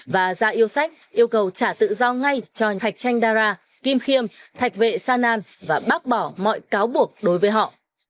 và ra yêu sách yêu cầu trả tự do ngay cho thạch chanh đa ra kim khiêm thạch vệ sa nan và bác bỏ mọi cáo buộc đối với họ